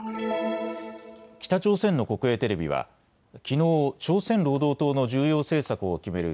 北朝鮮の国営テレビはきのう朝鮮労働党の重要政策を決める